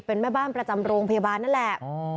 เป็นแม่บ้านประจำโรงพยาบาลนั่นแหละ